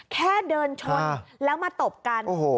แค่เดินชนแล้วมาตบกัน